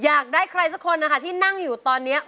อยากได้ใครสักคนนะคะที่นั่งอยู่ตอนนี้